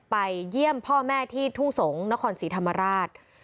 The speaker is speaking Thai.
ไปเยี่ยมพ่อแม่ที่ทุ่งสงศ์นครศรีธรรมราช